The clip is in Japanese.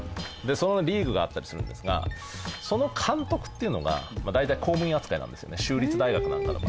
そのリーグがあったりするんですがその監督っていうのが大体公務員扱いなんですよね州立大学なんかだと。